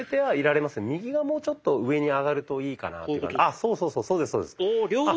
あそうそうそうそうですそうです。